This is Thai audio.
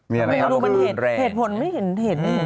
ไม่รู้มันเหตุผลไม่เห็น